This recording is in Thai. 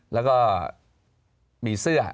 แล้วก็มีเสื้อ